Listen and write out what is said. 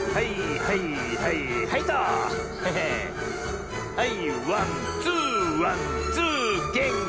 はいはい！